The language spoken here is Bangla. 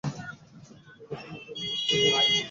চিলেকোঠার কাছে মাথা নিচু করে দাঁড়িয়ে রইলেন।